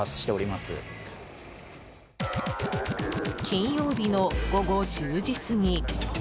金曜日の午後１０時過ぎ。